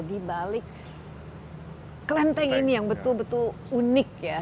terbalik klenteng ini yang betul betul unik ya